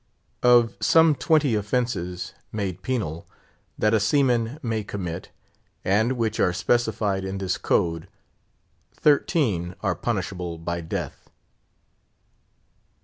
Of some twenty offences—made penal—that a seaman may commit, and which are specified in this code, thirteen are punishable by death.